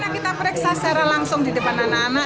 kita periksa secara langsung di depan anak anak